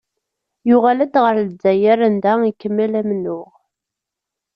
Yuɣal-d ɣer Lezzayer anda ikemmel amennuɣ.